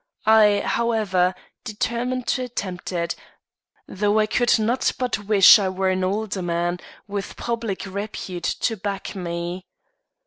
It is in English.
I, however, determined to attempt it, though I could not but wish I were an older man, with public repute to back me.